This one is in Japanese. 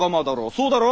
そうだろ？